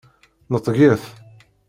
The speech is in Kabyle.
Neṭget!